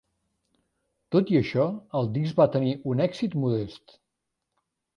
Tot i això, el disc va tenir un èxit modest.